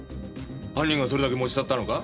犯人がそれだけ持ち去ったのか？